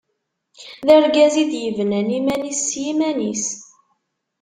D argaz i d-yebnan iman-is s yiman-is.